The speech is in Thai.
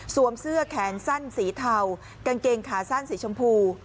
เสื้อแขนสั้นสีเทากางเกงขาสั้นสีชมพู